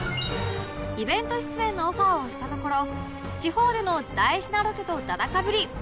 イベント出演のオファーをしたところ地方での大事なロケとだだ被り